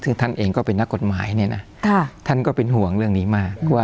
ซึ่งท่านเองก็เป็นนักกฎหมายเนี่ยนะท่านก็เป็นห่วงเรื่องนี้มาก